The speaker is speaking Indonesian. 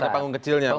oh ada panggung kecilnya